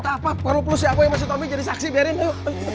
gak apa apa perlu plus ya aku yang masih tobi jadi saksi biarin ayo